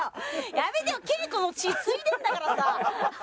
やめてよケイコの血継いでるんだからさ。